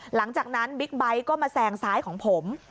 หลังจากนั้นบิ๊กไบท์ก็มาแซงซ้ายของผม